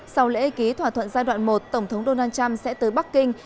sau lễ ký thỏa thuận giai đoạn một tổng thống donald trump sẽ tới bắc kinh